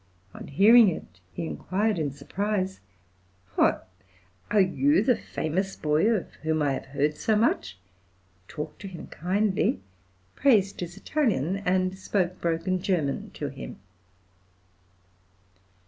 On hearing it he inquired in surprise, "What! are you the famous boy of whom I have heard so much?" talked to him kindly, praised his Italian, and spoke broken German to him.